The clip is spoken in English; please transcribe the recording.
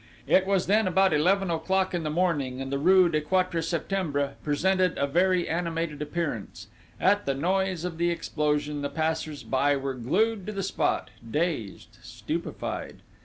"It was then about eleven o'clock in the morning, and the rue du Quatre Septembre presented a very animated appearance. At the noise of the explosion, the passers by were glued to the spot, dazed, stupefied.